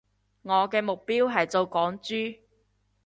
我嘅目標係做港豬